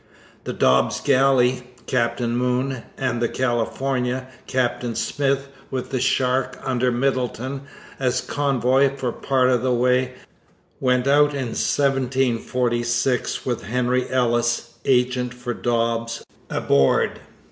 The Dobbs Galley, Captain Moon, and the California, Captain Smith, with the Shark, under Middleton, as convoy for part of the way, went out in 1746 with Henry Ellis, agent for Dobbs, aboard.